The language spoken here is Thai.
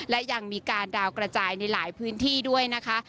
และยังมีการดาวกระจายในหลายพื้นที่ด้วยนะคะ